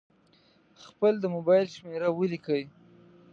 خپل د مبایل شمېره ولیکئ.